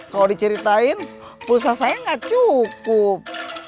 kalo diceritain pulsa saya gak cukup